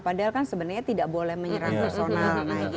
padahal kan sebenarnya tidak boleh menyerah personal